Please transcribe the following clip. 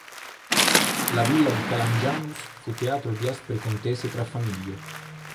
La Villa di Calangianus fu teatro di aspre contese tra famiglie.